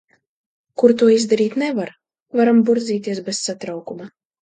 Kur to izdarīt nevar, varam burzīties bez satraukuma.